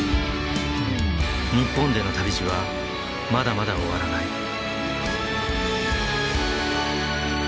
日本での旅路はまだまだ終わらない。